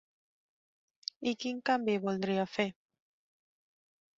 I quin canvi voldria fer?